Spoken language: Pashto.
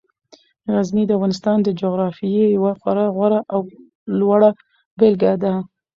غزني د افغانستان د جغرافیې یوه خورا غوره او لوړه بېلګه ده.